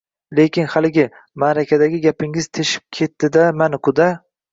Lekin, haligi, maʼrakadagi gapingiz teshib ketdi-da, mani, quda!